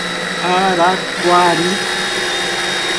Araquari